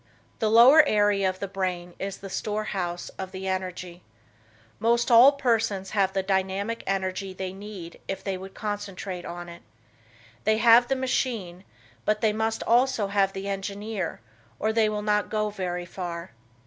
The lower area of the brain is the store house of the energy. Most all persons have all the dynamic energy they need if they would concentrate it. They have the machine, but they must also have the engineer, or they will not go very far.